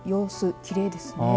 きれいですね。